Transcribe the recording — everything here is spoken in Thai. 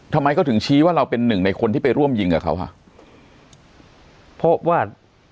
ทำไมเขาถึงชี้ว่าเราเป็นหนึ่งในคนที่ไปร่วมยิงกับเขาอ่ะเพราะว่า